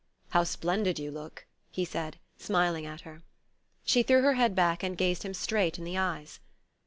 "How splendid you look!" he said, smiling at her. She threw her head back and gazed him straight in the eyes.